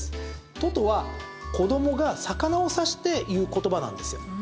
「とと」は子どもが魚を指して言う言葉なんですよ。